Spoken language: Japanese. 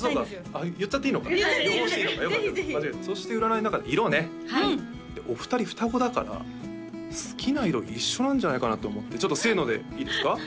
あっ言っちゃっていいのか予報していいのかそして占いの中で「色」ねはいお二人双子だから好きな色一緒なんじゃないかなと思ってちょっとせのでいいですか？